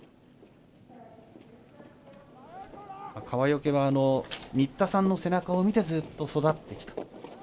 川除は新田さんの背中を見てずっと育ってきた。